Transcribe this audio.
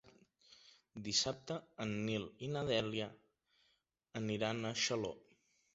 Dissabte en Nil i na Dèlia aniran a Xaló.